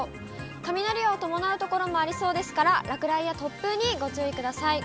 雷を伴う所もありそうですから、落雷や突風にご注意ください。